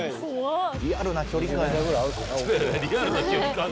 リアルな距離感やん。